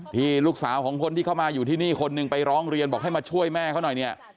ที่ลูกสาวของคนที่เข้ามาอยู่ที่นี่คนหนึ่งไปร้องเรียนบอกให้มาช่วยแม่เขาหน่อยเนี่ย